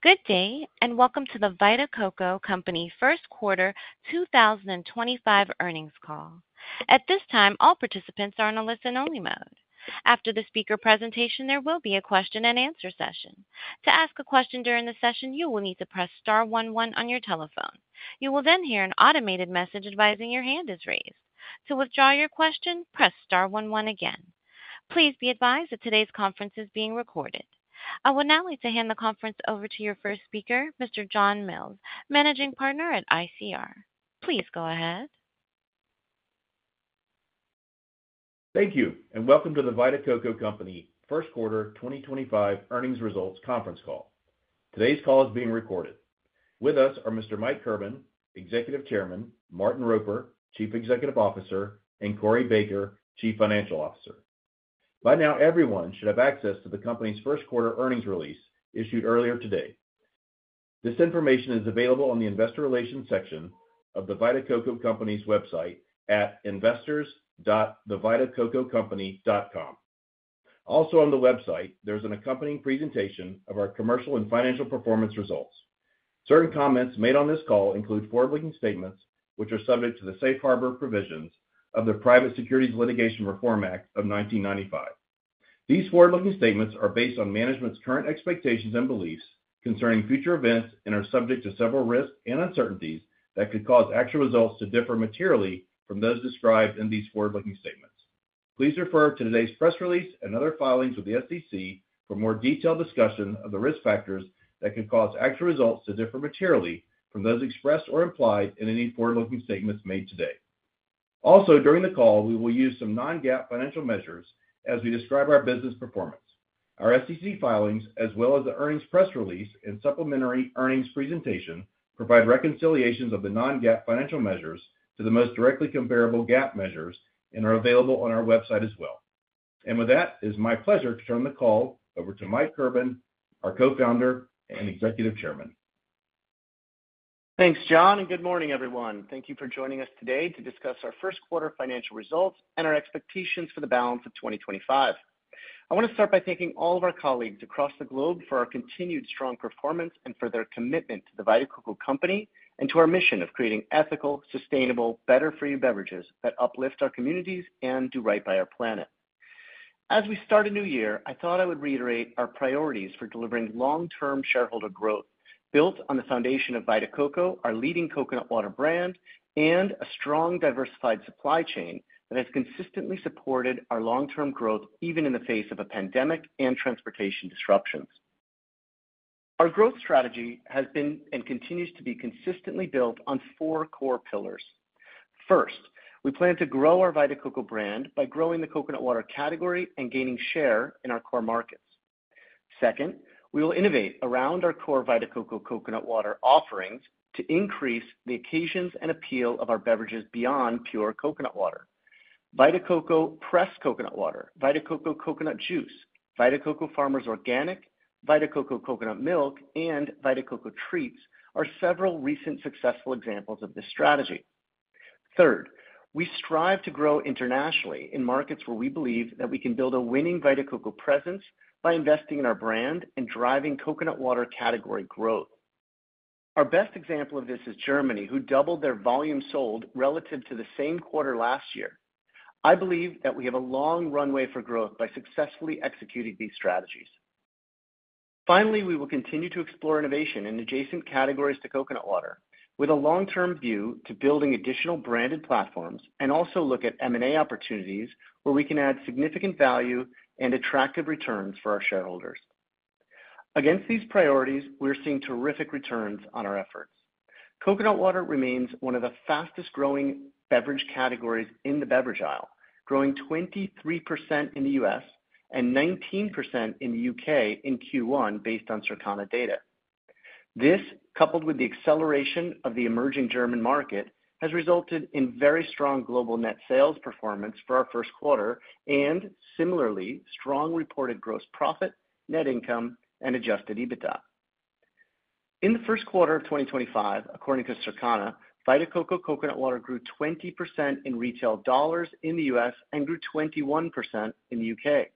Good day, and welcome to the Vita Coco Company first quarter 2025 earnings call. At this time, all participants are on a listen-only mode. After the speaker presentation, there will be a question-and-answer session. To ask a question during the session, you will need to press star 11 on your telephone. You will then hear an automated message advising your hand is raised. To withdraw your question, press star 11 again. Please be advised that today's conference is being recorded. I would now like to hand the conference over to your first speaker, Mr. John Mills, Managing Partner at ICR. Please go ahead. Thank you, and welcome to the Vita Coco Company first quarter 2025 earnings results conference call. Today's call is being recorded. With us are Mr. Mike Kirban, Executive Chairman, Martin Roper, Chief Executive Officer, and Corey Baker, Chief Financial Officer. By now, everyone should have access to the company's first quarter earnings release issued earlier today. This information is available on the investor relations section of the Vita Coco Company's website at investors.thevitacococompany.com. Also, on the website, there is an accompanying presentation of our commercial and financial performance results. Certain comments made on this call include forward-looking statements which are subject to the safe harbor provisions of the Private Securities Litigation Reform Act of 1995. These forward-looking statements are based on management's current expectations and beliefs concerning future events and are subject to several risks and uncertainties that could cause actual results to differ materially from those described in these forward-looking statements. Please refer to today's press release and other filings with the SEC for more detailed discussion of the risk factors that could cause actual results to differ materially from those expressed or implied in any forward-looking statements made today. Also, during the call, we will use some non-GAAP financial measures as we describe our business performance. Our SEC filings, as well as the earnings press release and supplementary earnings presentation, provide reconciliations of the non-GAAP financial measures to the most directly comparable GAAP measures and are available on our website as well. It is my pleasure to turn the call over to Mike Kirban, our co-founder and Executive Chairman. Thanks, John, and good morning, everyone. Thank you for joining us today to discuss our first quarter financial results and our expectations for the balance of 2025. I want to start by thanking all of our colleagues across the globe for our continued strong performance and for their commitment to the Vita Coco Company and to our mission of creating ethical, sustainable, better-for-you beverages that uplift our communities and do right by our planet. As we start a new year, I thought I would reiterate our priorities for delivering long-term shareholder growth built on the foundation of Vita Coco, our leading coconut water brand, and a strong, diversified supply chain that has consistently supported our long-term growth even in the face of a pandemic and transportation disruptions. Our growth strategy has been and continues to be consistently built on four core pillars. First, we plan to grow our Vita Coco brand by growing the coconut water category and gaining share in our core markets. Second, we will innovate around our core Vita Coco coconut water offerings to increase the occasions and appeal of our beverages beyond pure coconut water. Vita Coco Pressed coconut water, Vita Coco coconut juice, Vita Coco Farmers Organic, Vita Coco coconut milk, and Vita Coco Treats are several recent successful examples of this strategy. Third, we strive to grow internationally in markets where we believe that we can build a winning Vita Coco presence by investing in our brand and driving coconut water category growth. Our best example of this is Germany, which doubled their volume sold relative to the same quarter last year. I believe that we have a long runway for growth by successfully executing these strategies. Finally, we will continue to explore innovation in adjacent categories to coconut water with a long-term view to building additional branded platforms and also look at M&A opportunities where we can add significant value and attractive returns for our shareholders. Against these priorities, we're seeing terrific returns on our efforts. Coconut water remains one of the fastest-growing beverage categories in the beverage aisle, growing 23% in the U.S. and 19% in the U.K. in Q1 based on Circana data. This, coupled with the acceleration of the emerging German market, has resulted in very strong global net sales performance for our first quarter and similarly strong reported gross profit, net income, and adjusted EBITDA. In the first quarter of 2025, according to Circana, Vita Coco coconut water grew 20% in retail dollars in the U.S. and grew 21% in the U.K.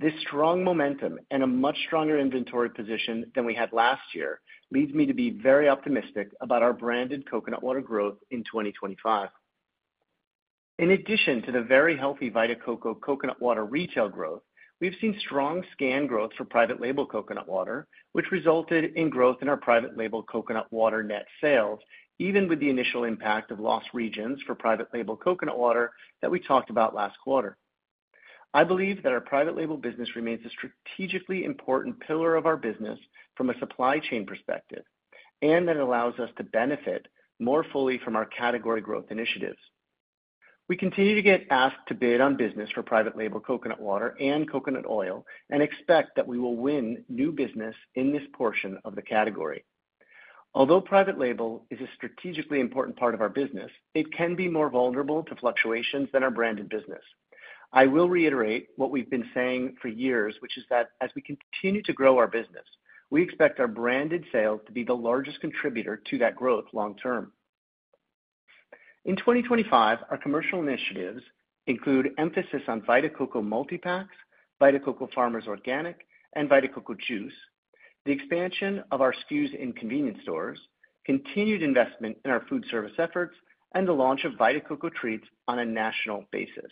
This strong momentum and a much stronger inventory position than we had last year leads me to be very optimistic about our branded coconut water growth in 2025. In addition to the very healthy Vita Coco coconut water retail growth, we've seen strong scan growth for private label coconut water, which resulted in growth in our private label coconut water net sales, even with the initial impact of lost regions for private label coconut water that we talked about last quarter. I believe that our private label business remains a strategically important pillar of our business from a supply chain perspective and that it allows us to benefit more fully from our category growth initiatives. We continue to get asked to bid on business for private label coconut water and coconut oil and expect that we will win new business in this portion of the category. Although private label is a strategically important part of our business, it can be more vulnerable to fluctuations than our branded business. I will reiterate what we've been saying for years, which is that as we continue to grow our business, we expect our branded sales to be the largest contributor to that growth long-term. In 2025, our commercial initiatives include emphasis on Vita Coco multi-packs, Vita Coco Farmers Organic, and Vita Coco juice, the expansion of our SKUs in convenience stores, continued investment in our food service efforts, and the launch of Vita Coco Treats on a national basis.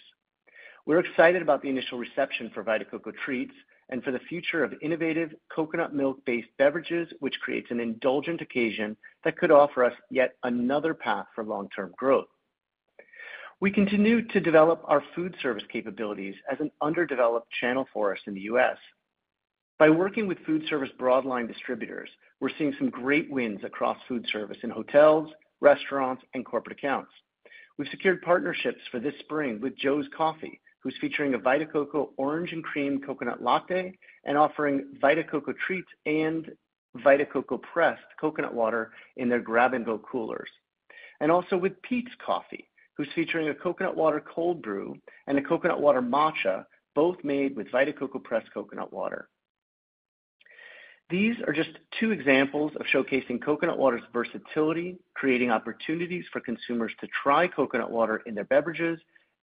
We're excited about the initial reception for Vita Coco Treats and for the future of innovative coconut milk-based beverages, which creates an indulgent occasion that could offer us yet another path for long-term growth. We continue to develop our food service capabilities as an underdeveloped channel for us in the U.S. By working with food service broadline distributors, we're seeing some great wins across food service in hotels, restaurants, and corporate accounts. We've secured partnerships for this spring with Joe's Coffee, who's featuring a Vita Coco orange and cream coconut latte and offering Vita Coco Treats and Vita Coco Pressed coconut water in their Grab and Go coolers. Also with Peet's Coffee, who's featuring a coconut water cold brew and a coconut water matcha, both made with Vita Coco Pressed coconut water. These are just two examples of showcasing coconut water's versatility, creating opportunities for consumers to try coconut water in their beverages,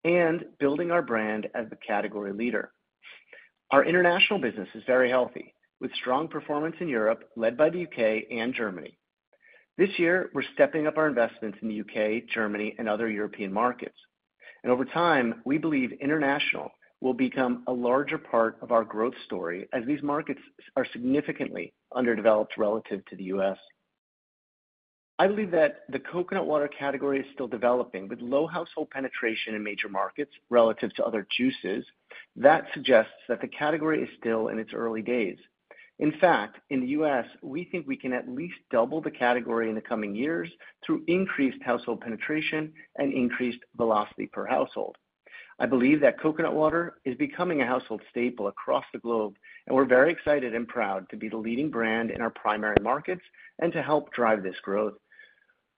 and building our brand as the category leader. Our international business is very healthy, with strong performance in Europe, led by the U.K. and Germany. This year, we're stepping up our investments in the U.K., Germany, and other European markets. Over time, we believe international will become a larger part of our growth story as these markets are significantly underdeveloped relative to the U.S. I believe that the coconut water category is still developing with low household penetration in major markets relative to other juices. That suggests that the category is still in its early days. In fact, in the U.S., we think we can at least double the category in the coming years through increased household penetration and increased velocity per household. I believe that coconut water is becoming a household staple across the globe, and we're very excited and proud to be the leading brand in our primary markets and to help drive this growth.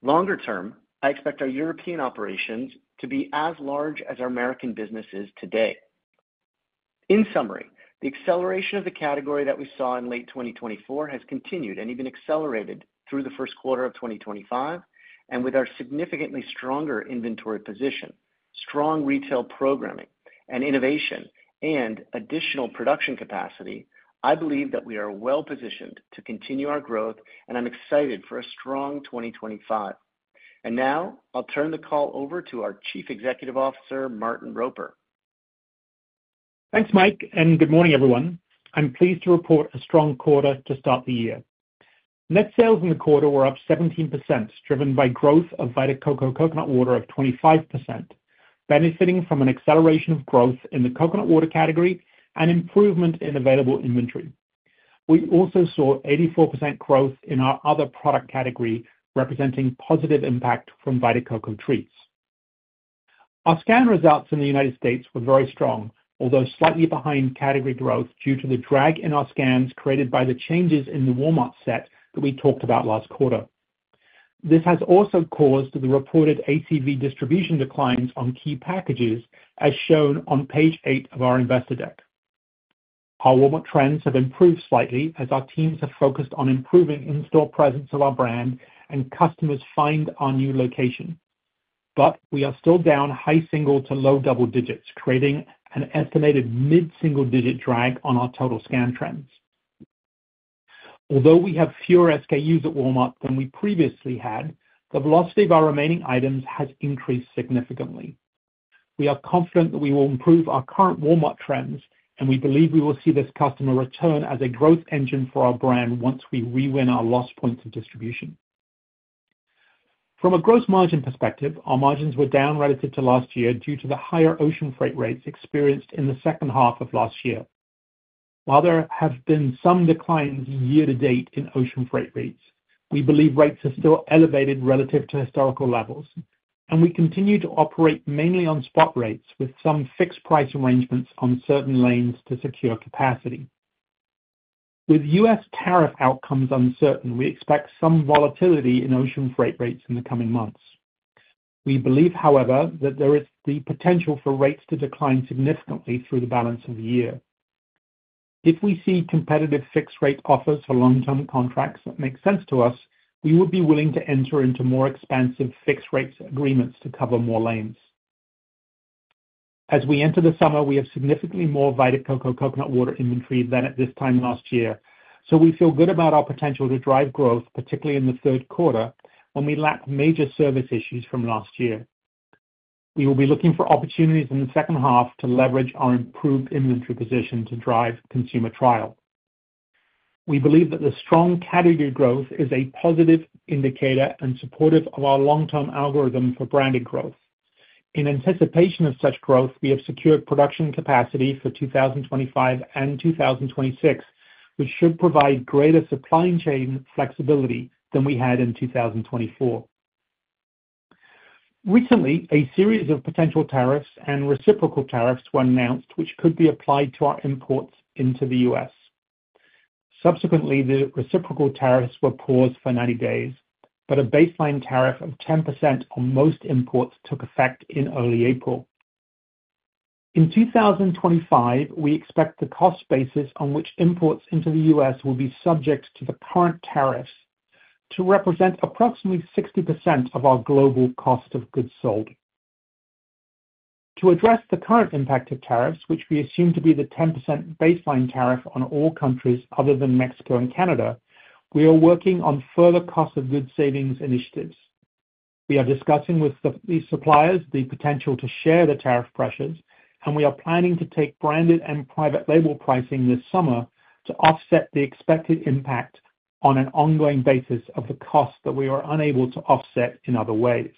Longer term, I expect our European operations to be as large as our American businesses today. In summary, the acceleration of the category that we saw in late 2024 has continued and even accelerated through the first quarter of 2025. With our significantly stronger inventory position, strong retail programming, and innovation, and additional production capacity, I believe that we are well positioned to continue our growth, and I am excited for a strong 2025. Now, I will turn the call over to our Chief Executive Officer, Martin Roper. Thanks, Mike, and good morning, everyone. I'm pleased to report a strong quarter to start the year. Net sales in the quarter were up 17%, driven by growth of Vita Coco coconut water of 25%, benefiting from an acceleration of growth in the coconut water category and improvement in available inventory. We also saw 84% growth in our other product category, representing positive impact from Vita Coco Treats. Our scan results in the United States were very strong, although slightly behind category growth due to the drag in our scans created by the changes in the Walmart set that we talked about last quarter. This has also caused the reported ACV distribution declines on key packages, as shown on page eight of our investor deck. Our Walmart trends have improved slightly as our teams have focused on improving in-store presence of our brand and customers find our new location. We are still down high single to low double digits, creating an estimated mid-single digit drag on our total scan trends. Although we have fewer SKUs at Walmart than we previously had, the velocity of our remaining items has increased significantly. We are confident that we will improve our current Walmart trends, and we believe we will see this customer return as a growth engine for our brand once we rewin our lost points of distribution. From a gross margin perspective, our margins were down relative to last year due to the higher ocean freight rates experienced in the second half of last year. While there have been some declines year to date in ocean freight rates, we believe rates are still elevated relative to historical levels, and we continue to operate mainly on spot rates with some fixed price arrangements on certain lanes to secure capacity. With US tariff outcomes uncertain, we expect some volatility in ocean freight rates in the coming months. We believe, however, that there is the potential for rates to decline significantly through the balance of the year. If we see competitive fixed-rate offers for long-term contracts that make sense to us, we would be willing to enter into more expansive fixed-rate agreements to cover more lanes. As we enter the summer, we have significantly more Vita Coco coconut water inventory than at this time last year, so we feel good about our potential to drive growth, particularly in the third quarter, when we lack major service issues from last year. We will be looking for opportunities in the second half to leverage our improved inventory position to drive consumer trial. We believe that the strong category growth is a positive indicator and supportive of our long-term algorithm for branded growth. In anticipation of such growth, we have secured production capacity for 2025 and 2026, which should provide greater supply chain flexibility than we had in 2024. Recently, a series of potential tariffs and reciprocal tariffs were announced, which could be applied to our imports into the U.S. Subsequently, the reciprocal tariffs were paused for 90 days, but a baseline tariff of 10% on most imports took effect in early April. In 2025, we expect the cost basis on which imports into the U.S. will be subject to the current tariffs to represent approximately 60% of our global cost of goods sold. To address the current impact of tariffs, which we assume to be the 10% baseline tariff on all countries other than Mexico and Canada, we are working on further cost of goods savings initiatives. We are discussing with the suppliers the potential to share the tariff pressures, and we are planning to take branded and private label pricing this summer to offset the expected impact on an ongoing basis of the cost that we are unable to offset in other ways.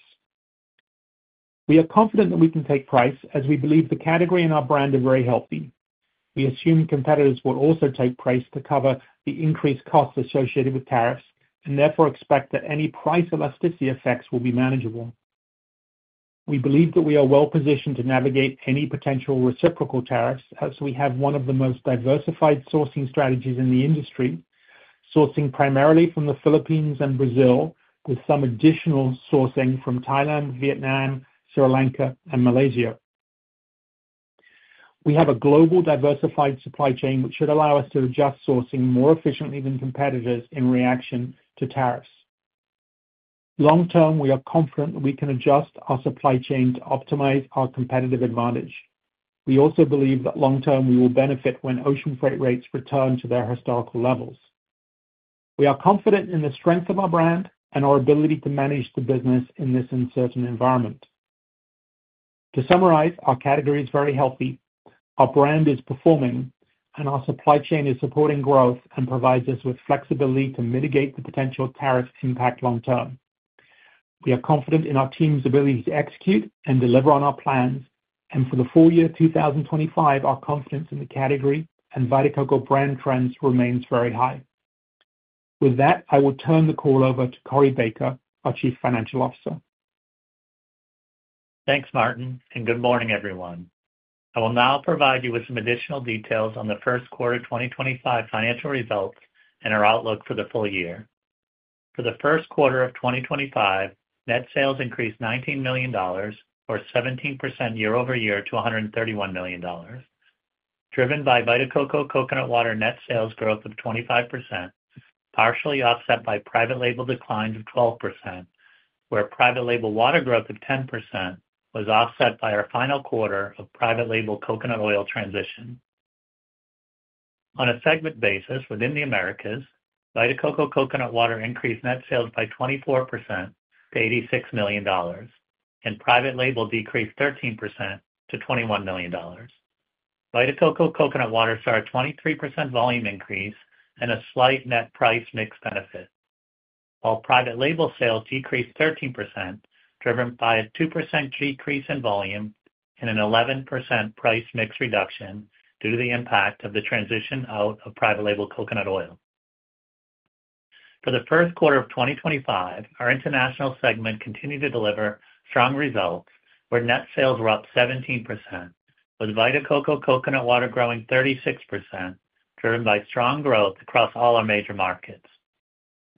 We are confident that we can take price as we believe the category and our brand are very healthy. We assume competitors will also take price to cover the increased costs associated with tariffs and therefore expect that any price elasticity effects will be manageable. We believe that we are well positioned to navigate any potential reciprocal tariffs as we have one of the most diversified sourcing strategies in the industry, sourcing primarily from the Philippines and Brazil, with some additional sourcing from Thailand, Vietnam, Sri Lanka, and Malaysia. We have a global diversified supply chain which should allow us to adjust sourcing more efficiently than competitors in reaction to tariffs. Long term, we are confident that we can adjust our supply chain to optimize our competitive advantage. We also believe that long term we will benefit when ocean freight rates return to their historical levels. We are confident in the strength of our brand and our ability to manage the business in this uncertain environment. To summarize, our category is very healthy, our brand is performing, and our supply chain is supporting growth and provides us with flexibility to mitigate the potential tariff impact long term. We are confident in our team's ability to execute and deliver on our plans, and for the full-year 2025, our confidence in the category and Vita Coco brand trends remains very high. With that, I will turn the call over to Corey Baker, our Chief Financial Officer. Thanks, Martin, and good morning, everyone. I will now provide you with some additional details on the first quarter 2025 financial results and our outlook for the full-year. For the first quarter of 2025, net sales increased $19 million, or 17% year-over-year, to $131 million, driven by Vita Coco coconut water net sales growth of 25%, partially offset by private label declines of 12%, where private label water growth of 10% was offset by our final quarter of private label coconut oil transition. On a segment basis within the Americas, Vita Coco coconut water increased net sales by 24% to $86 million, and private label decreased 13% to $21 million. Vita Coco coconut water saw a 23% volume increase and a slight net price mix benefit, while private label sales decreased 13%, driven by a 2% decrease in volume and an 11% price mix reduction due to the impact of the transition out of private label coconut oil. For the first quarter of 2025, our international segment continued to deliver strong results, where net sales were up 17%, with Vita Coco coconut water growing 36%, driven by strong growth across all our major markets.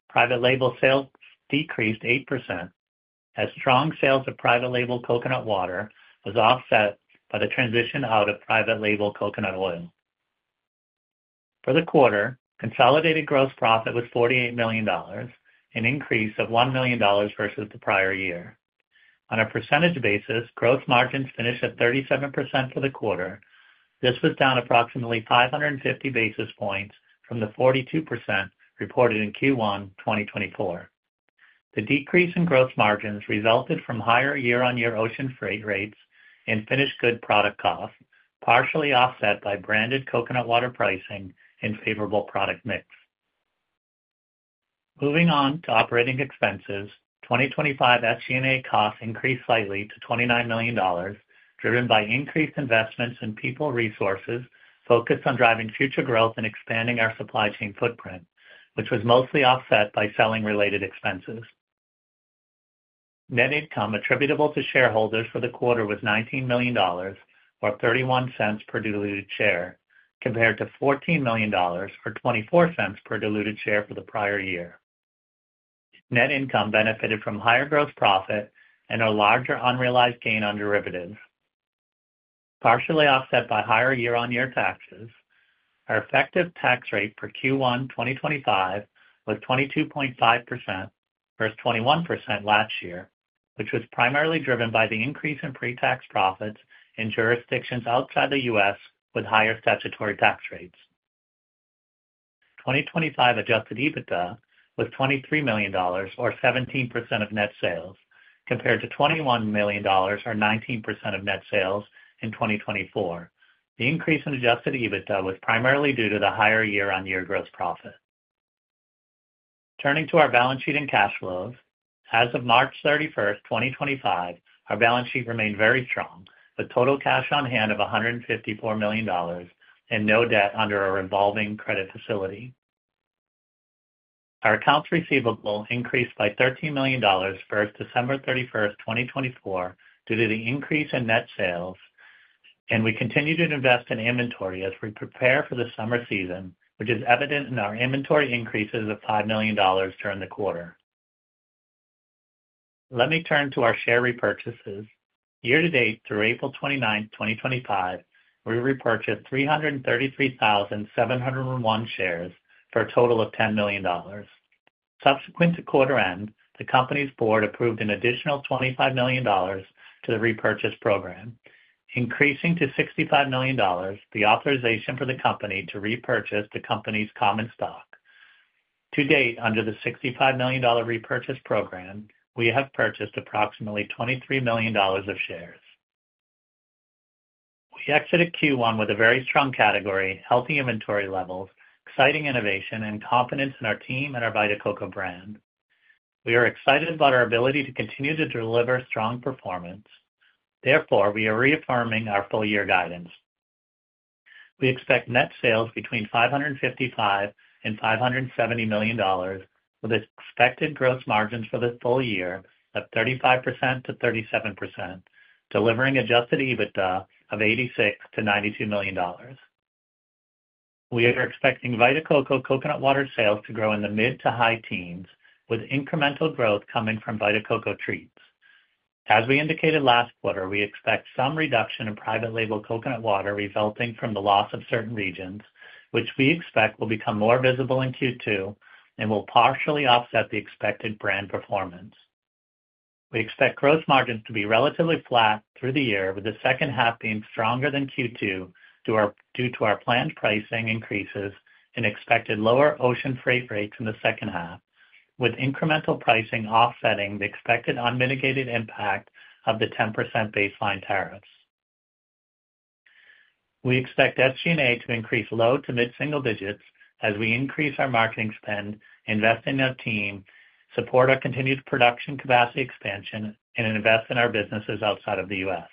Private label sales decreased 8%, as strong sales of private label coconut water was offset by the transition out of private label coconut oil. For the quarter, consolidated gross profit was $48 million, an increase of $1 million versus the prior year. On a percentage basis, gross margins finished at 37% for the quarter. This was down approximately 550 basis points from the 42% reported in Q1 2024. The decrease in gross margins resulted from higher year-on-year ocean freight rates and finished good product costs, partially offset by branded coconut water pricing and favorable product mix. Moving on to operating expenses, 2025 SG&A costs increased slightly to $29 million, driven by increased investments in people resources focused on driving future growth and expanding our supply chain footprint, which was mostly offset by selling-related expenses. Net income attributable to shareholders for the quarter was $19 million, or $0.31 per diluted share, compared to $14 million, or $0.24 per diluted share for the prior year. Net income benefited from higher gross profit and a larger unrealized gain on derivatives, partially offset by higher year-on-year taxes. Our effective tax rate for Q1 2025 was 22.5% versus 21% last year, which was primarily driven by the increase in pre-tax profits in jurisdictions outside the U.S. with higher statutory tax rates. 2025 adjusted EBITDA was $23 million, or 17% of net sales, compared to $21 million, or 19% of net sales in 2024. The increase in adjusted EBITDA was primarily due to the higher year-on-year gross profit. Turning to our balance sheet and cash flows, as of March 31, 2025, our balance sheet remained very strong, with total cash on hand of $154 million and no debt under our revolving credit facility. Our accounts receivable increased by $13 million versus December 31, 2024, due to the increase in net sales, and we continue to invest in inventory as we prepare for the summer season, which is evident in our inventory increases of $5 million during the quarter. Let me turn to our share repurchases. Year to date, through April 29, 2025, we repurchased 333,701 shares for a total of $10 million. Subsequent to quarter end, the company's board approved an additional $25 million to the repurchase program, increasing to $65 million the authorization for the company to repurchase the company's common stock. To date, under the $65 million repurchase program, we have purchased approximately $23 million of shares. We exited Q1 with a very strong category, healthy inventory levels, exciting innovation, and confidence in our team and our Vita Coco brand. We are excited about our ability to continue to deliver strong performance. Therefore, we are reaffirming our full-year guidance. We expect net sales between $555 and $570 million, with expected gross margins for the full-year of 35%-37%, delivering adjusted EBITDA of $86-$92 million. We are expecting Vita Coco coconut water sales to grow in the mid to high teens, with incremental growth coming from Vita Coco Treats. As we indicated last quarter, we expect some reduction in private label coconut water resulting from the loss of certain regions, which we expect will become more visible in Q2 and will partially offset the expected brand performance. We expect gross margins to be relatively flat through the year, with the second half being stronger than Q2 due to our planned pricing increases and expected lower ocean freight rates in the second half, with incremental pricing offsetting the expected unmitigated impact of the 10% baseline tariffs. We expect SG&A to increase low to mid-single digits as we increase our marketing spend, invest in our team, support our continued production capacity expansion, and invest in our businesses outside of the US.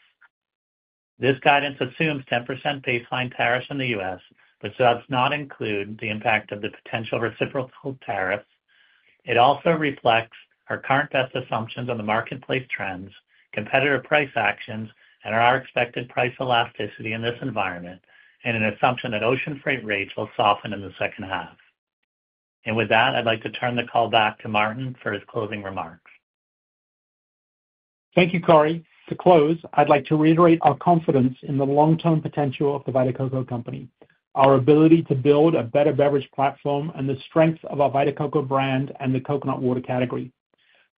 This guidance assumes 10% baseline tariffs in the U.S., but does not include the impact of the potential reciprocal tariffs. It also reflects our current best assumptions on the marketplace trends, competitor price actions, and our expected price elasticity in this environment, and an assumption that ocean freight rates will soften in the second half. I would like to turn the call back to Martin for his closing remarks. Thank you, Corey. To close, I'd like to reiterate our confidence in the long-term potential of the Vita Coco Company, our ability to build a better beverage platform, and the strength of our Vita Coco brand and the coconut water category.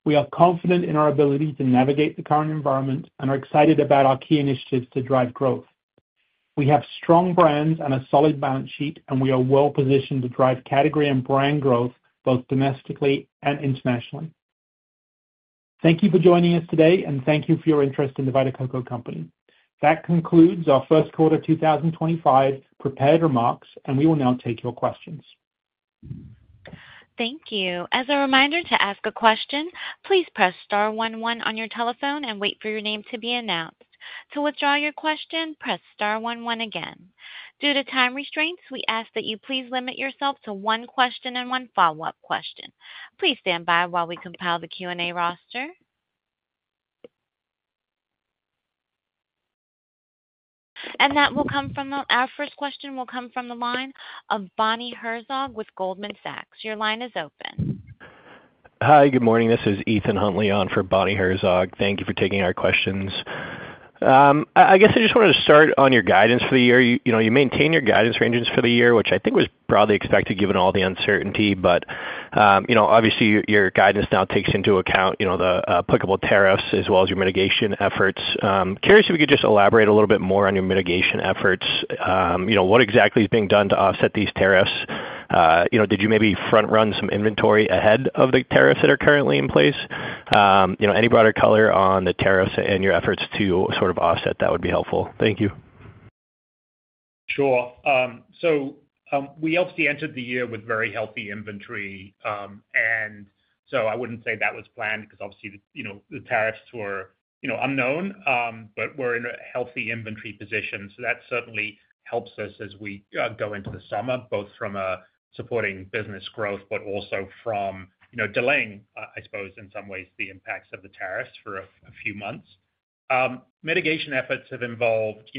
We are confident in our ability to navigate the current environment and are excited about our key initiatives to drive growth. We have strong brands and a solid balance sheet, and we are well positioned to drive category and brand growth both domestically and internationally. Thank you for joining us today, and thank you for your interest in the Vita Coco Company. That concludes our first quarter 2025 prepared remarks, and we will now take your questions. Thank you. As a reminder to ask a question, please press star 11 on your telephone and wait for your name to be announced. To withdraw your question, press star 11 again. Due to time restraints, we ask that you please limit yourself to one question and one follow-up question. Please stand by while we compile the Q&A roster. The first question will come from the line of Bonnie Herzog with Goldman Sachs. Your line is open. Hi, good morning. This is Ethan Huntley on for Bonnie Herzog. Thank you for taking our questions. I guess I just wanted to start on your guidance for the year. You maintain your guidance ranges for the year, which I think was broadly expected given all the uncertainty, but obviously your guidance now takes into account the applicable tariffs as well as your mitigation efforts. Curious if you could just elaborate a little bit more on your mitigation efforts. What exactly is being done to offset these tariffs? Did you maybe front-run some inventory ahead of the tariffs that are currently in place? Any broader color on the tariffs and your efforts to sort of offset that would be helpful. Thank you. Sure. We obviously entered the year with very healthy inventory, and I would not say that was planned because the tariffs were unknown, but we are in a healthy inventory position. That certainly helps us as we go into the summer, both from supporting business growth and from delaying, I suppose, in some ways, the impacts of the tariffs for a few months. Mitigation efforts have involved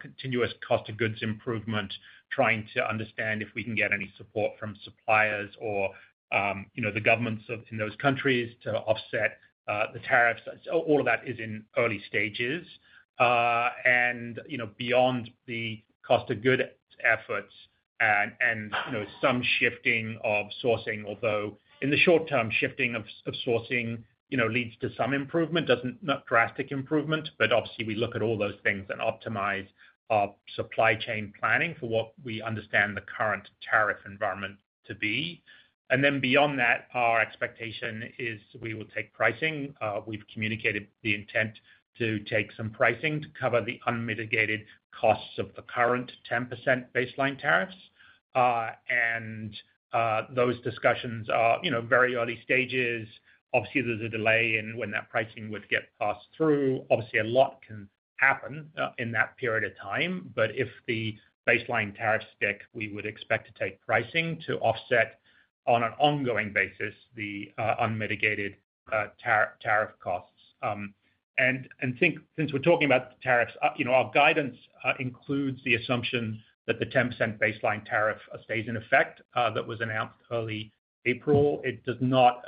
continuous cost of goods improvement, trying to understand if we can get any support from suppliers or the governments in those countries to offset the tariffs. All of that is in early stages. Beyond the cost of goods efforts and some shifting of sourcing, although in the short term, shifting of sourcing leads to some improvement, not drastic improvement, but obviously we look at all those things and optimize our supply chain planning for what we understand the current tariff environment to be. Beyond that, our expectation is we will take pricing. We've communicated the intent to take some pricing to cover the unmitigated costs of the current 10% baseline tariffs. Those discussions are very early stages. Obviously, there's a delay in when that pricing would get passed through. Obviously, a lot can happen in that period of time, but if the baseline tariffs stick, we would expect to take pricing to offset on an ongoing basis the unmitigated tariff costs. Since we're talking about tariffs, our guidance includes the assumption that the 10% baseline tariff stays in effect that was announced early April. It does not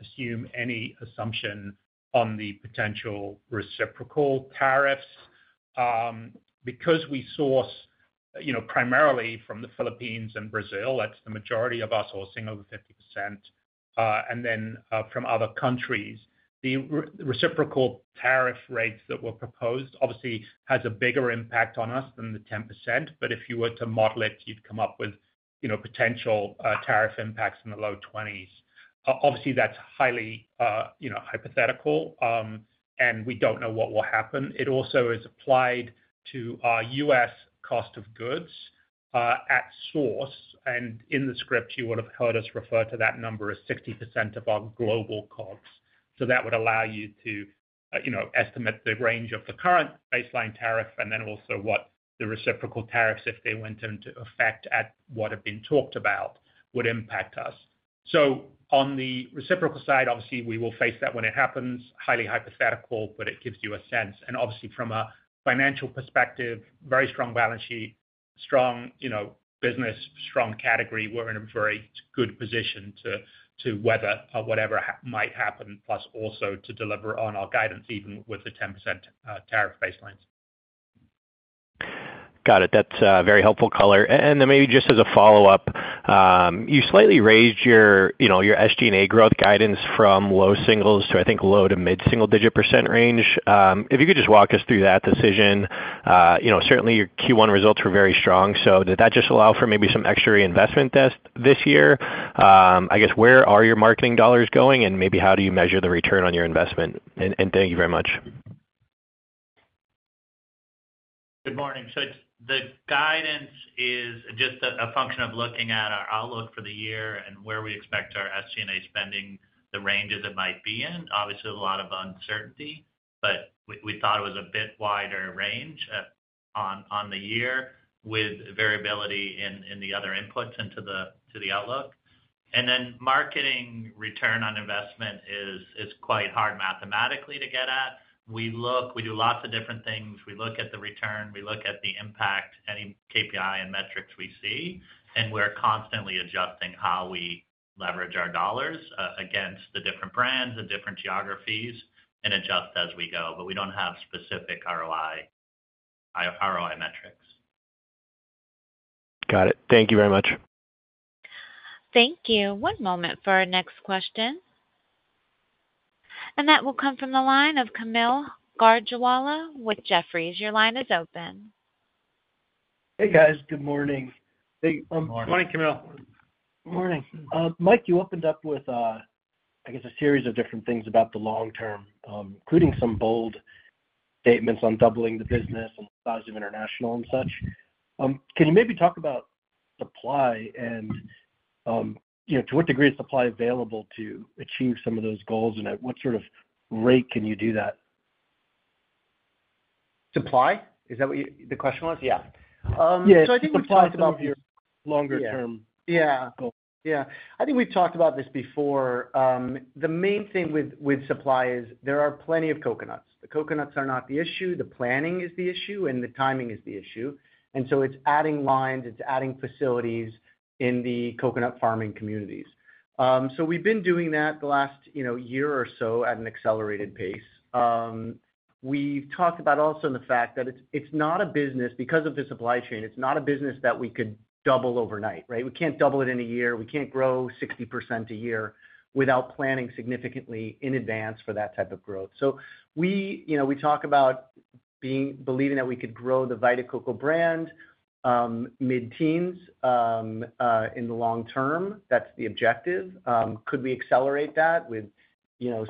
assume any assumption on the potential reciprocal tariffs. Because we source primarily from the Philippines and Brazil, that's the majority of our sourcing, over 50%, and then from other countries, the reciprocal tariff rates that were proposed obviously have a bigger impact on us than the 10%, but if you were to model it, you'd come up with potential tariff impacts in the low 20%. Obviously, that's highly hypothetical, and we don't know what will happen. It also is applied to our U.S. cost of goods at source, and in the script, you would have heard us refer to that number as 60% of our global costs. That would allow you to estimate the range of the current baseline tariff and then also what the reciprocal tariffs, if they went into effect at what had been talked about, would impact us. On the reciprocal side, obviously, we will face that when it happens. Highly hypothetical, but it gives you a sense. Obviously, from a financial perspective, very strong balance sheet, strong business, strong category. We are in a very good position to weather whatever might happen, plus also to deliver on our guidance even with the 10% tariff baselines. Got it. That's very helpful, Corey. Maybe just as a follow-up, you slightly raised your SG&A growth guidance from low singles to, I think, low to mid-single digit % range. If you could just walk us through that decision. Certainly, your Q1 results were very strong, so did that just allow for maybe some extra reinvestment this year? I guess, where are your marketing dollars going, and maybe how do you measure the return on your investment? Thank you very much. Good morning. The guidance is just a function of looking at our outlook for the year and where we expect our SG&A spending, the ranges it might be in. Obviously, there's a lot of uncertainty, but we thought it was a bit wider range on the year with variability in the other inputs into the outlook. Marketing return on investment is quite hard mathematically to get at. We do lots of different things. We look at the return. We look at the impact, any KPI and metrics we see, and we're constantly adjusting how we leverage our dollars against the different brands and different geographies and adjust as we go, but we don't have specific ROI metrics. Got it. Thank you very much. Thank you. One moment for our next question. That will come from the line of Kaumil Gajrawala with Jefferies. Your line is open. Hey, guys. Good morning. Good morning, Kaumil. Good morning. Mike, you opened up with, I guess, a series of different things about the long term, including some bold statements on doubling the business and size of international and such. Can you maybe talk about supply and to what degree is supply available to achieve some of those goals, and at what sort of rate can you do that? Supply? Is that what the question was? Yeah. Yeah. I think we've talked about. Supply is about your longer-term goal. Yeah. Yeah. I think we've talked about this before. The main thing with supply is there are plenty of coconuts. The coconuts are not the issue. The planning is the issue, and the timing is the issue. It is adding lines. It is adding facilities in the coconut farming communities. We have been doing that the last year or so at an accelerated pace. We have talked about also the fact that it is not a business because of the supply chain. It is not a business that we could double overnight, right? We cannot double it in a year. We cannot grow 60% a year without planning significantly in advance for that type of growth. We talk about believing that we could grow the Vita Coco brand mid-teens in the long term. That is the objective. Could we accelerate that with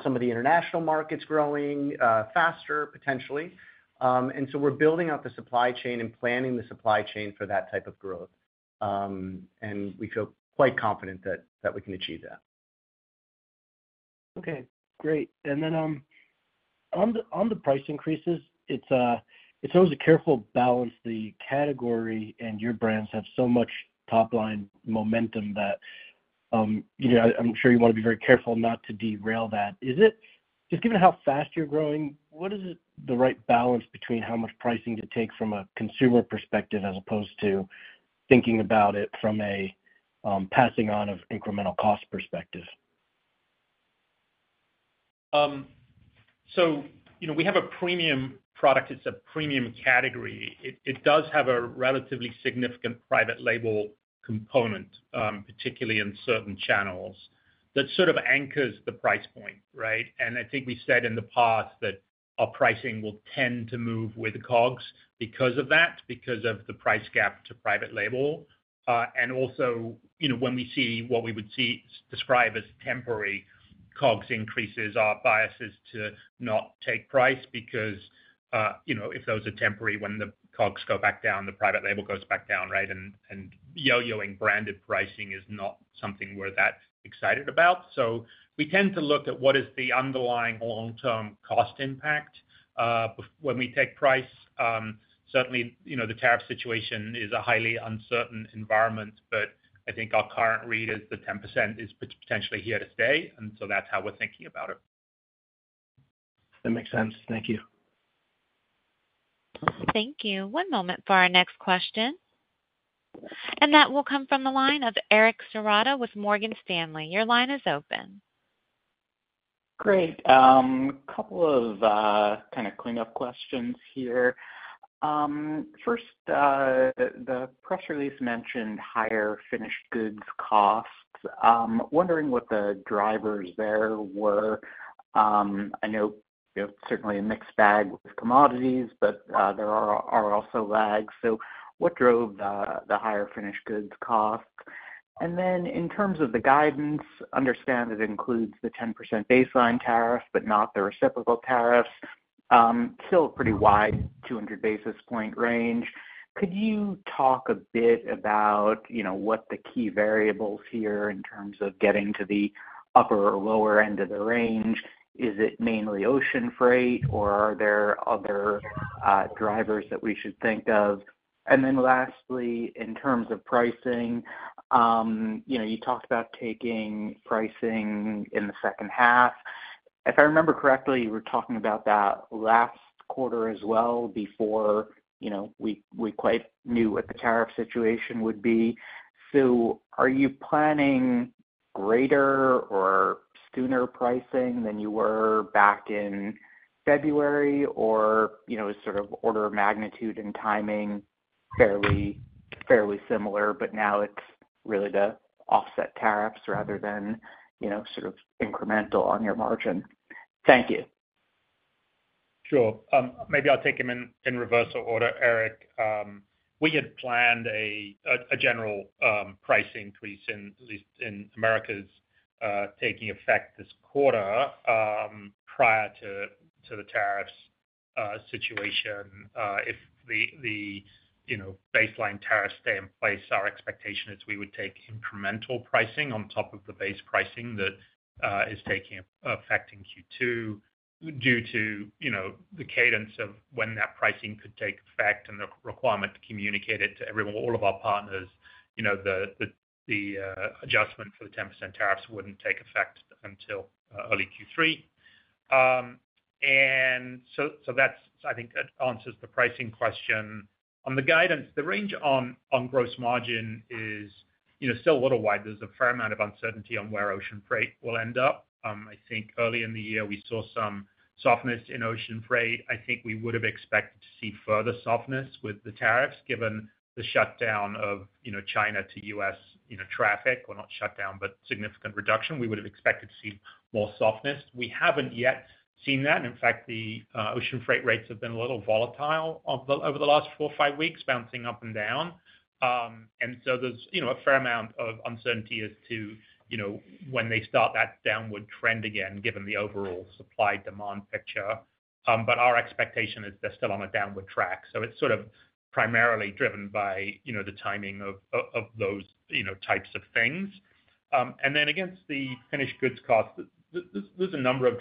some of the international markets growing faster, potentially? We are building out the supply chain and planning the supply chain for that type of growth, and we feel quite confident that we can achieve that. Okay. Great. On the price increases, it's always a careful balance. The category and your brands have so much top-line momentum that I'm sure you want to be very careful not to derail that. Just given how fast you're growing, what is the right balance between how much pricing to take from a consumer perspective as opposed to thinking about it from a passing on of incremental cost perspective? We have a premium product. It's a premium category. It does have a relatively significant private label component, particularly in certain channels. That sort of anchors the price point, right? I think we said in the past that our pricing will tend to move with COGS because of that, because of the price gap to private label. Also, when we see what we would describe as temporary COGS increases, our bias is to not take price because if those are temporary, when the COGS go back down, the private label goes back down, right? Yo-yoing branded pricing is not something we're that excited about. We tend to look at what is the underlying long-term cost impact when we take price. Certainly, the tariff situation is a highly uncertain environment, but I think our current read is the 10% is potentially here to stay, and so that's how we're thinking about it. That makes sense. Thank you. Thank you. One moment for our next question. That will come from the line of Eric Serotta with Morgan Stanley. Your line is open. Great. A couple of kind of cleanup questions here. First, the press release mentioned higher finished goods costs. Wondering what the drivers there were. I know certainly a mixed bag with commodities, but there are also lags. What drove the higher finished goods cost? In terms of the guidance, understand it includes the 10% baseline tariff, but not the reciprocal tariffs. Still a pretty wide 200 basis point range. Could you talk a bit about what the key variables are here in terms of getting to the upper or lower end of the range? Is it mainly ocean freight, or are there other drivers that we should think of? Lastly, in terms of pricing, you talked about taking pricing in the second half. If I remember correctly, you were talking about that last quarter as well before we quite knew what the tariff situation would be. Are you planning greater or sooner pricing than you were back in February, or is sort of order of magnitude and timing fairly similar, but now it's really to offset tariffs rather than sort of incremental on your margin? Thank you. Sure. Maybe I'll take them in reverse order. Eric, we had planned a general price increase in Americas taking effect this quarter prior to the tariffs situation. If the baseline tariffs stay in place, our expectation is we would take incremental pricing on top of the base pricing that is affecting Q2 due to the cadence of when that pricing could take effect and the requirement to communicate it to everyone, all of our partners, the adjustment for the 10% tariffs would not take effect until early Q3. I think that answers the pricing question. On the guidance, the range on gross margin is still a little wide. There is a fair amount of uncertainty on where ocean freight will end up. I think early in the year we saw some softness in ocean freight. I think we would have expected to see further softness with the tariffs given the shutdown of China to U.S. traffic, or not shutdown, but significant reduction. We would have expected to see more softness. We have not yet seen that. In fact, the ocean freight rates have been a little volatile over the last four or five weeks, bouncing up and down. There is a fair amount of uncertainty as to when they start that downward trend again given the overall supply demand picture. Our expectation is they are still on a downward track. It is sort of primarily driven by the timing of those types of things. Against the finished goods cost, there are a number of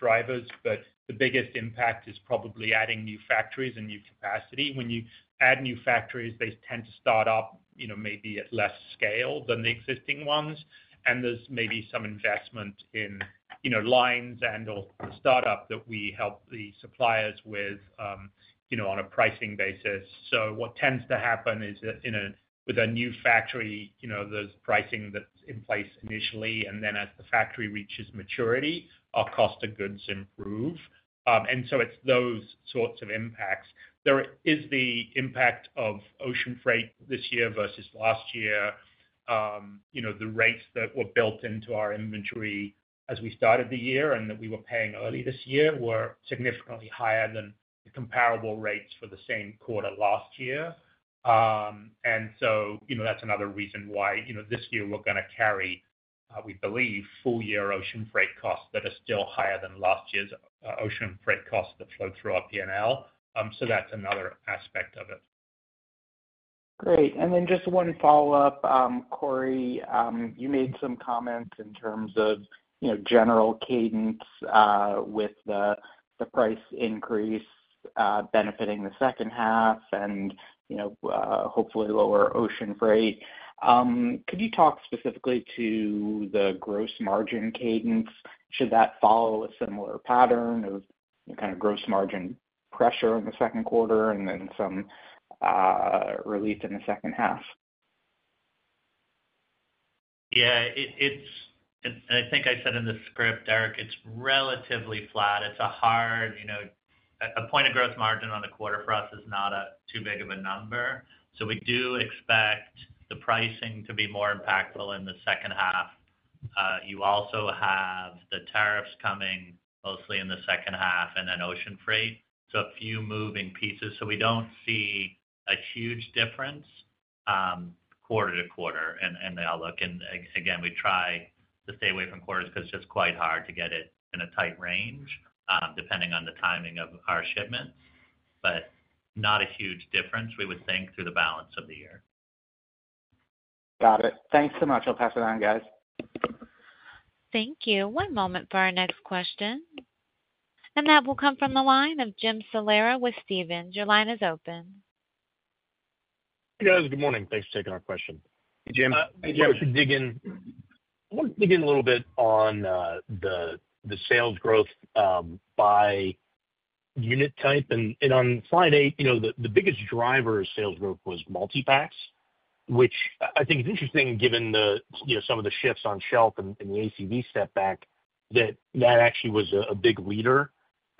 drivers, but the biggest impact is probably adding new factories and new capacity. When you add new factories, they tend to start up maybe at less scale than the existing ones. There is maybe some investment in lines and/or startup that we help the suppliers with on a pricing basis. What tends to happen is with a new factory, there is pricing that is in place initially, and then as the factory reaches maturity, our cost of goods improve. It is those sorts of impacts. There is the impact of ocean freight this year versus last year. The rates that were built into our inventory as we started the year and that we were paying early this year were significantly higher than the comparable rates for the same quarter last year. That is another reason why this year we are going to carry, we believe, full-year ocean freight costs that are still higher than last year's ocean freight costs that flow through our P&L. That is another aspect of it. Great. Just one follow-up, Corey. You made some comments in terms of general cadence with the price increase benefiting the second half and hopefully lower ocean freight. Could you talk specifically to the gross margin cadence? Should that follow a similar pattern of kind of gross margin pressure in the second quarter and then some relief in the second half? Yeah. I think I said in the script, Eric, it's relatively flat. It's a hard point of gross margin on the quarter for us, it's not too big of a number. We do expect the pricing to be more impactful in the second half. You also have the tariffs coming mostly in the second half and then ocean freight. There are a few moving pieces. We do not see a huge difference quarter to quarter in the outlook. Again, we try to stay away from quarters because it's just quite hard to get it in a tight range depending on the timing of our shipments. Not a huge difference, we would think, through the balance of the year. Got it. Thanks so much. I'll pass it on, guys. Thank you. One moment for our next question. That will come from the line of Jim Salera with Stephens. Your line is open. Hey, guys. Good morning. Thanks for taking our question. Hey, Jim. Hey, Jim. I wanted to dig in a little bit on the sales growth by unit type. On slide eight, the biggest driver of sales growth was multi-packs, which I think is interesting given some of the shifts on shelf and the ACV step back that that actually was a big leader.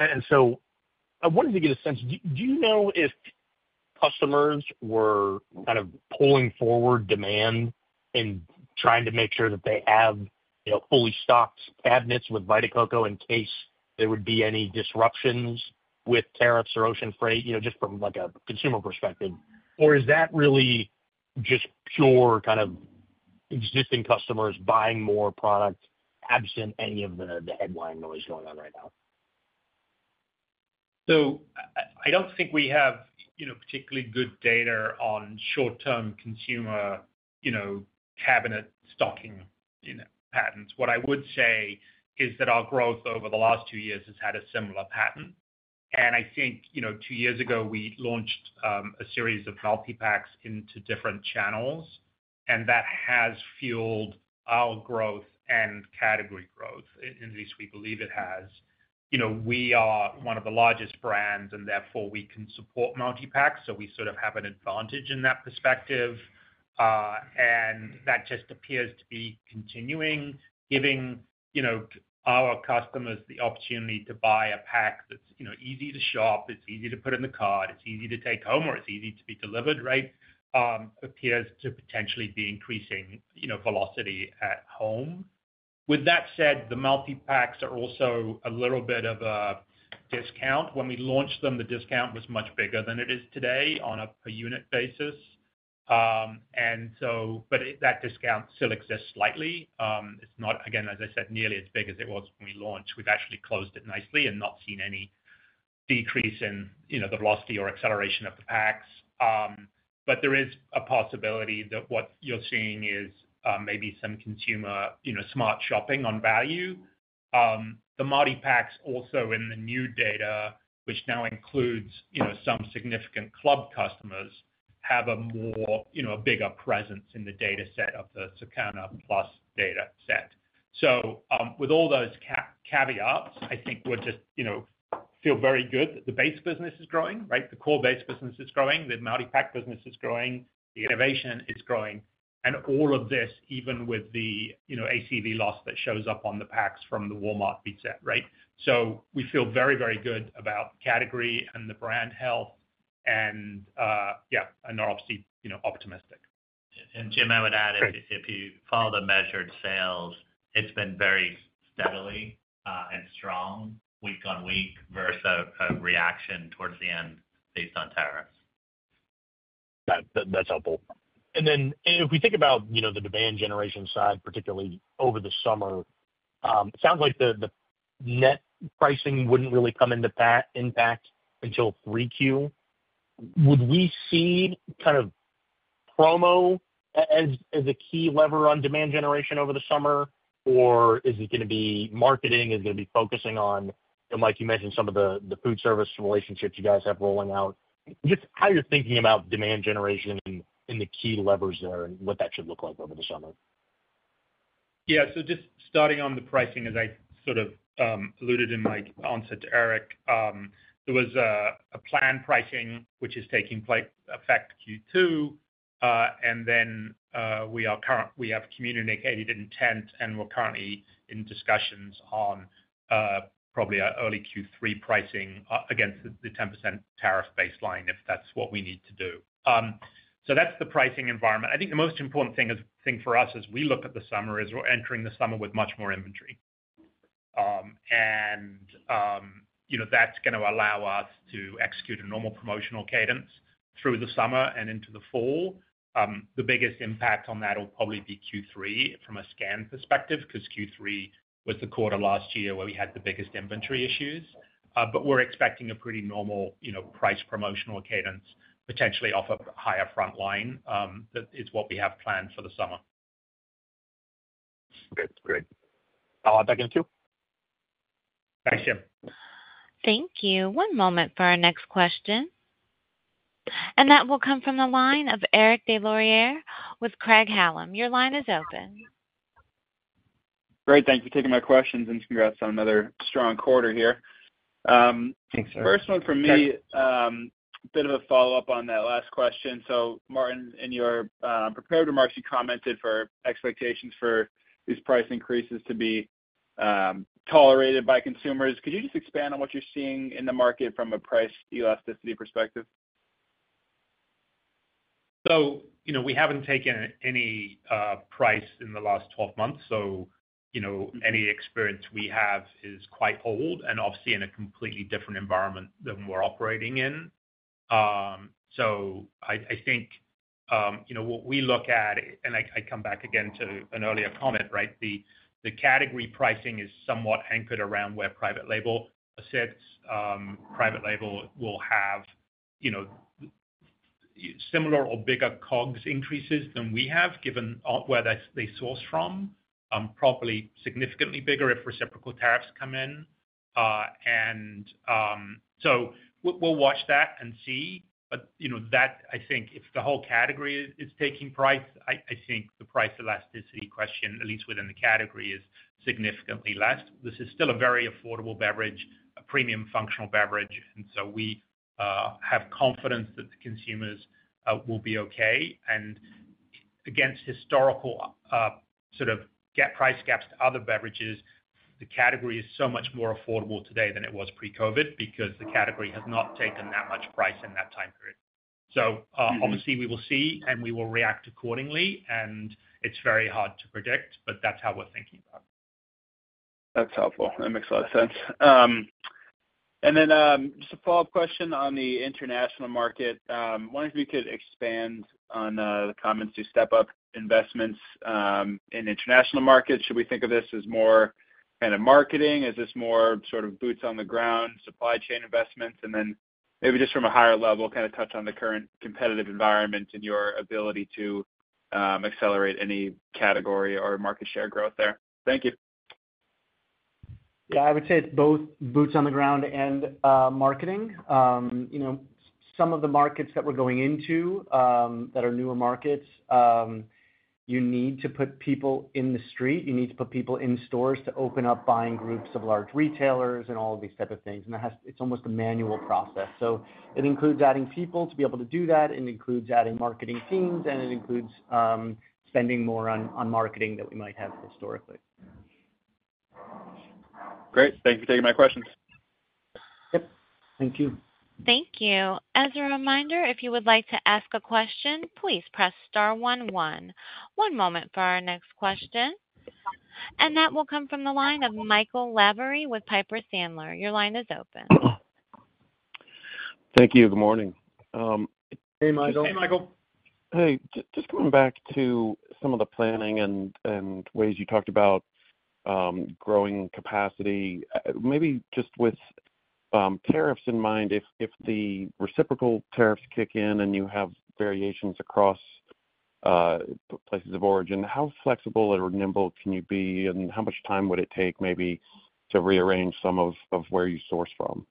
I wanted to get a sense, do you know if customers were kind of pulling forward demand and trying to make sure that they have fully stocked cabinets with Vita Coco in case there would be any disruptions with tariffs or ocean freight just from a consumer perspective? Or is that really just pure kind of existing customers buying more product absent any of the headline noise going on right now? I do not think we have particularly good data on short-term consumer cabinet stocking patterns. What I would say is that our growth over the last two years has had a similar pattern. I think two years ago we launched a series of multi-packs into different channels, and that has fueled our growth and category growth. At least we believe it has. We are one of the largest brands, and therefore we can support multi-packs. We sort of have an advantage in that perspective. That just appears to be continuing, giving our customers the opportunity to buy a pack that is easy to shop, easy to put in the cart, easy to take home, or easy to be delivered, right? It appears to potentially be increasing velocity at home. With that said, the multi-packs are also a little bit of a discount. When we launched them, the discount was much bigger than it is today on a per unit basis. That discount still exists slightly. It's not, again, as I said, nearly as big as it was when we launched. We've actually closed it nicely and not seen any decrease in the velocity or acceleration of the packs. There is a possibility that what you're seeing is maybe some consumer smart shopping on value. The multi-packs also in the new data, which now includes some significant club customers, have a bigger presence in the dataset of the Circana Plus dataset. With all those caveats, I think we'll just feel very good that the base business is growing, right? The core base business is growing. The multi-pack business is growing. The innovation is growing. All of this, even with the ACV loss that shows up on the packs from the Walmart reset, right? We feel very, very good about category and the brand health. Yeah, and we're obviously optimistic. Jim, I would add, if you follow the measured sales, it's been very steadily and strong, week on week, versus a reaction towards the end based on tariffs. That's helpful. If we think about the demand generation side, particularly over the summer, it sounds like the net pricing wouldn't really come into impact until 3Q. Would we see kind of promo as a key lever on demand generation over the summer, or is it going to be marketing? Is it going to be focusing on, like you mentioned, some of the food service relationships you guys have rolling out? Just how you're thinking about demand generation and the key levers there and what that should look like over the summer. Yeah. Just starting on the pricing, as I sort of alluded in my answer to Eric, there was a planned pricing which is taking effect Q2. We have communicated intent, and we're currently in discussions on probably early Q3 pricing against the 10% tariff baseline if that's what we need to do. That's the pricing environment. I think the most important thing for us as we look at the summer is we're entering the summer with much more inventory. That's going to allow us to execute a normal promotional cadence through the summer and into the fall. The biggest impact on that will probably be Q3 from a scan perspective because Q3 was the quarter last year where we had the biggest inventory issues. We're expecting a pretty normal price promotional cadence, potentially off a higher frontline. That is what we have planned for the summer. That's great. I'll add that in too. Thanks, Jim. Thank you. One moment for our next question. That will come from the line of Eric Des Lauriers with Craig-Hallum. Your line is open. Great. Thanks for taking my questions, and congrats on another strong quarter here. Thanks, Eric. First one for me, a bit of a follow-up on that last question. Martin, in your prepared remarks, you commented for expectations for these price increases to be tolerated by consumers. Could you just expand on what you're seeing in the market from a price elasticity perspective? We have not taken any price in the last 12 months. Any experience we have is quite old and obviously in a completely different environment than we are operating in. I think what we look at, and I come back again to an earlier comment, right? The category pricing is somewhat anchored around where private label sits. Private label will have similar or bigger COGS increases than we have given where they source from, probably significantly bigger if reciprocal tariffs come in. We will watch that and see. I think if the whole category is taking price, the price elasticity question, at least within the category, is significantly less. This is still a very affordable beverage, a premium functional beverage. We have confidence that the consumers will be okay. Against historical sort of price gaps to other beverages, the category is so much more affordable today than it was pre-COVID because the category has not taken that much price in that time period. Obviously, we will see, and we will react accordingly. It is very hard to predict, but that's how we're thinking about it. That's helpful. That makes a lot of sense. Just a follow-up question on the international market. I wonder if you could expand on the comments to step up investments in international markets. Should we think of this as more kind of marketing? Is this more sort of boots on the ground, supply chain investments? Maybe just from a higher level, kind of touch on the current competitive environment and your ability to accelerate any category or market share growth there. Thank you. Yeah. I would say it's both boots on the ground and marketing. Some of the markets that we're going into that are newer markets, you need to put people in the street. You need to put people in stores to open up buying groups of large retailers and all of these types of things. It is almost a manual process. It includes adding people to be able to do that. It includes adding marketing teams, and it includes spending more on marketing that we might have historically. Great. Thank you for taking my questions. Yep. Thank you. Thank you. As a reminder, if you would like to ask a question, please press star 11. One moment for our next question. That will come from the line of Michael Lavery with Piper Sandler. Your line is open. Thank you. Good morning. Hey, Michael. Hey, Michael. Hey. Just coming back to some of the planning and ways you talked about growing capacity, maybe just with tariffs in mind, if the reciprocal tariffs kick in and you have variations across places of origin, how flexible or nimble can you be, and how much time would it take maybe to rearrange some of where you source from?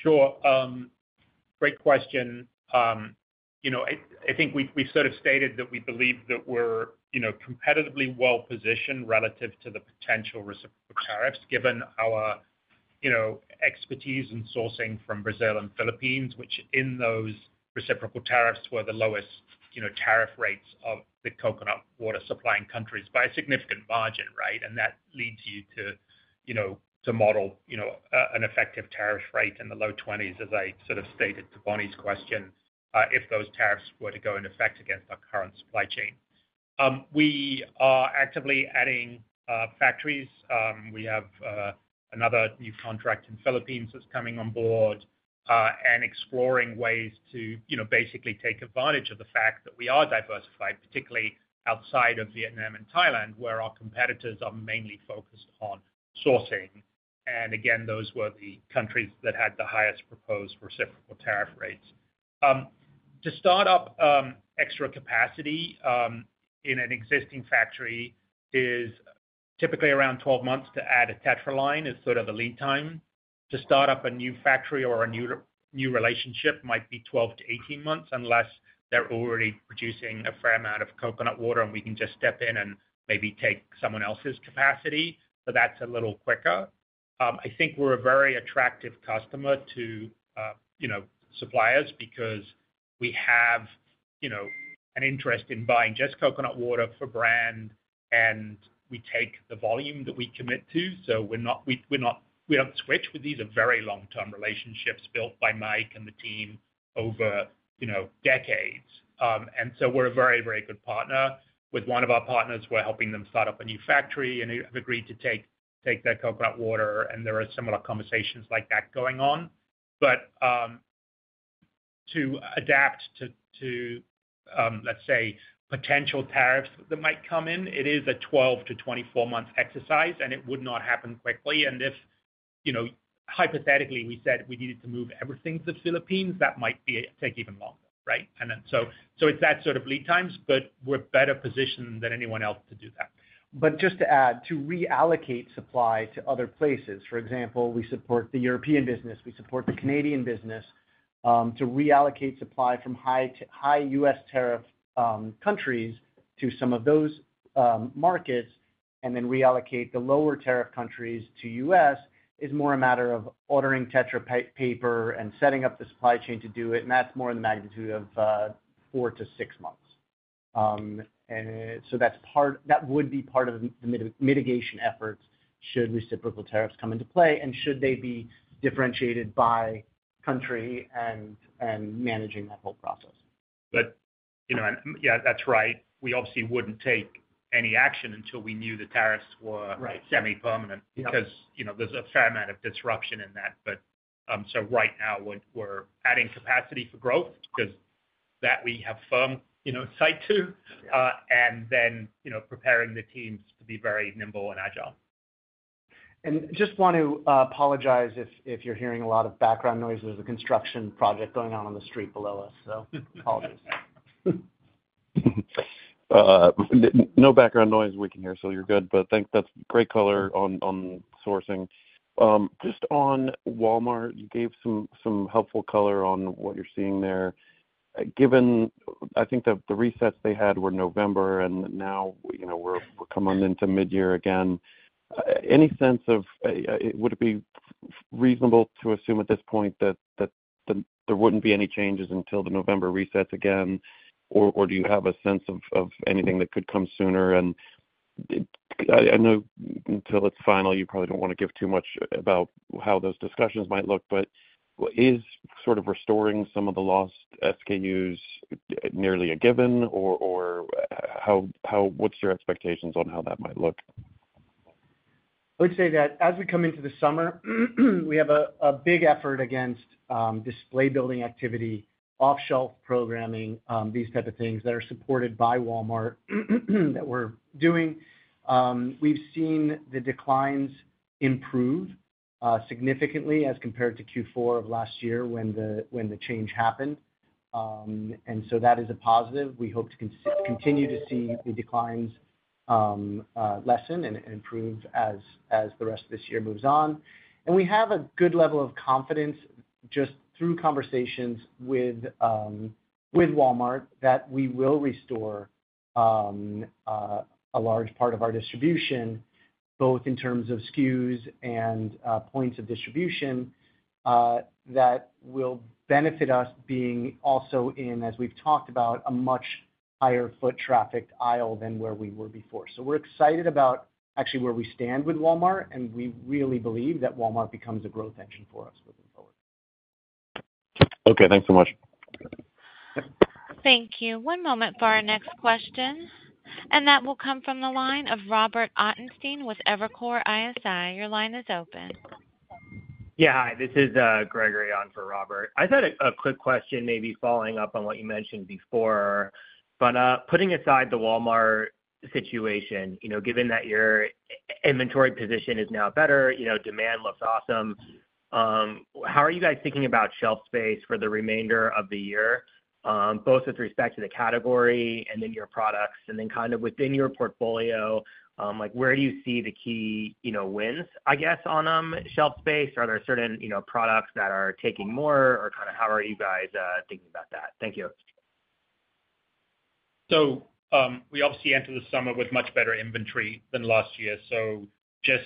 Sure. Great question. I think we've sort of stated that we believe that we're competitively well-positioned relative to the potential reciprocal tariffs given our expertise in sourcing from Brazil and Philippines, which in those reciprocal tariffs were the lowest tariff rates of the coconut water supplying countries by a significant margin, right? That leads you to model an effective tariff rate in the low 20s, as I sort of stated to Bonnie's question if those tariffs were to go in effect against our current supply chain. We are actively adding factories. We have another new contract in the Philippines that's coming on board and exploring ways to basically take advantage of the fact that we are diversified, particularly outside of Vietnam and Thailand, where our competitors are mainly focused on sourcing. Those were the countries that had the highest proposed reciprocal tariff rates. To start up extra capacity in an existing factory is typically around 12 months to add a Tetra line as sort of a lead time. To start up a new factory or a new relationship might be 12-18 months unless they're already producing a fair amount of coconut water and we can just step in and maybe take someone else's capacity. That's a little quicker. I think we're a very attractive customer to suppliers because we have an interest in buying just coconut water for brand, and we take the volume that we commit to. We don't switch with these. These are very long-term relationships built by Mike and the team over decades. We're a very, very good partner. With one of our partners, we're helping them start up a new factory and have agreed to take their coconut water. There are similar conversations like that going on. To adapt to, let's say, potential tariffs that might come in, it is a 12-24 month exercise, and it would not happen quickly. If hypothetically we said we needed to move everything to the Philippines, that might take even longer, right? It is that sort of lead times, but we're better positioned than anyone else to do that. Just to add, to reallocate supply to other places. For example, we support the European business. We support the Canadian business to reallocate supply from high U.S. tariff countries to some of those markets and then reallocate the lower tariff countries to U.S. is more a matter of ordering Tetra paper and setting up the supply chain to do it. That is more in the magnitude of four to six months. That would be part of the mitigation efforts should reciprocal tariffs come into play and should they be differentiated by country and managing that whole process. Yeah, that's right. We obviously wouldn't take any action until we knew the tariffs were semi-permanent because there's a fair amount of disruption in that. Right now, we're adding capacity for growth because that we have firm sight to and then preparing the teams to be very nimble and agile. I just want to apologize if you're hearing a lot of background noise. There's a construction project going on on the street below us, so apologies. No background noise. We can hear you still. You're good. Thanks. That's great color on sourcing. Just on Walmart, you gave some helpful color on what you're seeing there. I think the resets they had were November, and now we're coming into mid-year again. Any sense of would it be reasonable to assume at this point that there wouldn't be any changes until the November resets again, or do you have a sense of anything that could come sooner? I know until it's final, you probably don't want to give too much about how those discussions might look. Is sort of restoring some of the lost SKUs nearly a given, or what's your expectations on how that might look? I would say that as we come into the summer, we have a big effort against display building activity, off-shelf programming, these types of things that are supported by Walmart that we're doing. We have seen the declines improve significantly as compared to Q4 of last year when the change happened. That is a positive. We hope to continue to see the declines lessen and improve as the rest of this year moves on. We have a good level of confidence just through conversations with Walmart that we will restore a large part of our distribution, both in terms of SKUs and points of distribution, that will benefit us being also in, as we have talked about, a much higher foot traffic aisle than where we were before. We're excited about actually where we stand with Walmart, and we really believe that Walmart becomes a growth engine for us moving forward. Okay. Thanks so much. Thank you. One moment for our next question. That will come from the line of Robert Ottenstein with Evercore ISI. Your line is open. Yeah. Hi. This is Gregory on for Robert. I just had a quick question maybe following up on what you mentioned before. Putting aside the Walmart situation, given that your inventory position is now better, demand looks awesome. How are you guys thinking about shelf space for the remainder of the year, both with respect to the category and then your products and then kind of within your portfolio? Where do you see the key wins, I guess, on shelf space? Are there certain products that are taking more, or kind of how are you guys thinking about that? Thank you. We obviously entered the summer with much better inventory than last year. Just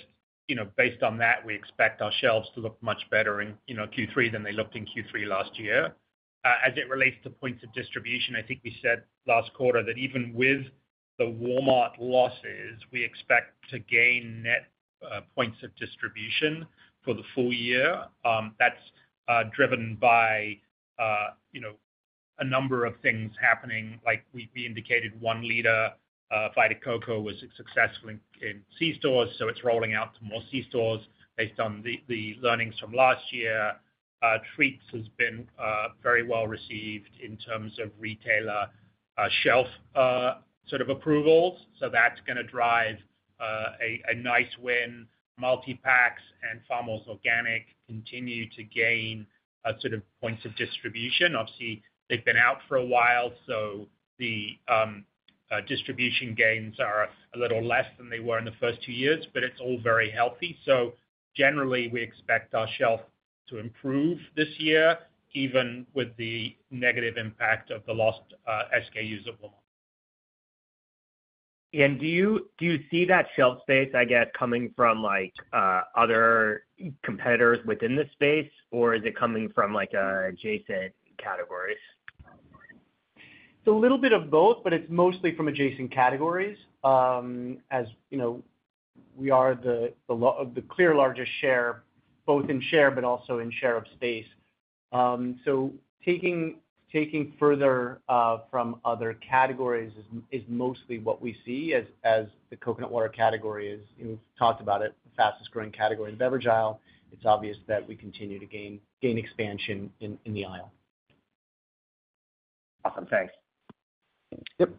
based on that, we expect our shelves to look much better in Q3 than they looked in Q3 last year. As it relates to points of distribution, I think we said last quarter that even with the Walmart losses, we expect to gain net points of distribution for the full-year. That's driven by a number of things happening. Like we indicated, one liter Vita Coco was successful in c-stores, so it's rolling out to more c-stores based on the learnings from last year. Treats has been very well received in terms of retailer shelf sort of approvals. That's going to drive a nice win. Multi-packs and Farmers Organic continue to gain sort of points of distribution. Obviously, they've been out for a while, so the distribution gains are a little less than they were in the first two years, but it's all very healthy. Generally, we expect our shelf to improve this year, even with the negative impact of the lost SKUs at Walmart. Do you see that shelf space, I guess, coming from other competitors within the space, or is it coming from adjacent categories? It's a little bit of both, but it's mostly from adjacent categories as we are the clear largest share, both in share but also in share of space. Taking further from other categories is mostly what we see as the coconut water category is. We've talked about it, the fastest-growing category in the beverage aisle. It's obvious that we continue to gain expansion in the aisle. Awesome. Thanks. Yep.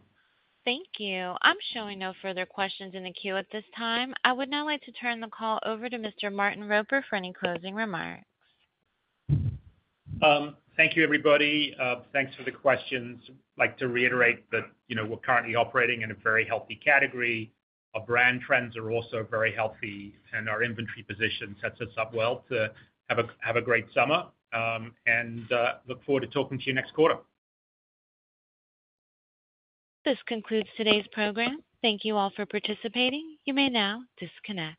Thank you. I'm showing no further questions in the queue at this time. I would now like to turn the call over to Mr. Martin Roper for any closing remarks. Thank you, everybody. Thanks for the questions. I'd like to reiterate that we're currently operating in a very healthy category. Our brand trends are also very healthy, and our inventory position sets us up well to have a great summer. I look forward to talking to you next quarter. This concludes today's program. Thank you all for participating. You may now disconnect.